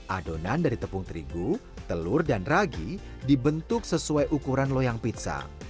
adonan dari tepung terigu telur dan ragi dibentuk sesuai ukuran loyang pizza